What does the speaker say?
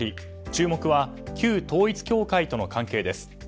注目は旧統一教会との関係です。